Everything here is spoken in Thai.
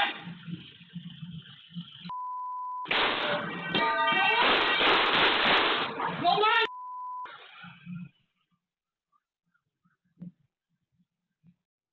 ลงมา